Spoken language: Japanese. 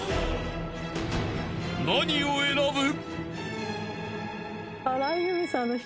［何を選ぶ？］